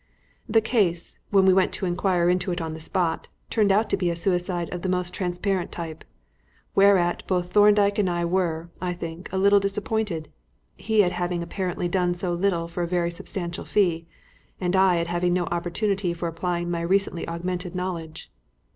The case, when we came to inquire into it on the spot, turned out to be a suicide of the most transparent type; whereat both Thorndyke and I were, I think, a little disappointed he at having apparently done so little for a very substantial fee, and I at having no opportunity for applying my recently augmented knowledge.